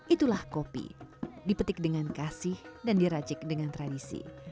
itulah kopi dipetik dengan kasih dan diracik dengan tradisi